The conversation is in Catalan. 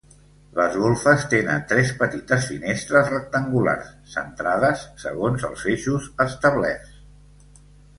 Les golfes tenen tres petites finestres rectangulars centrades segons els eixos establerts.